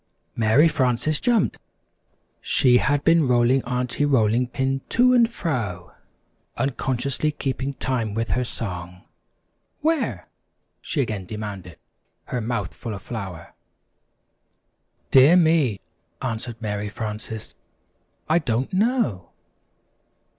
Mary Frances jumped. She had been rolling Aunty Rolling Pin to and fro, unconsciously keeping time with her song. "Where?" she again demanded, her mouth full of flour. "Dear me," answered Mary Frances, "I don't know."